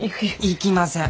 いきません。